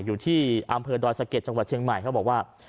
อยู่ที่อำเภอดอยสะเก็ดจังหวัดเชียงใหม่เขาบอกว่า